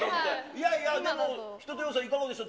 いやいや、でも一青窈さん、いかがでした？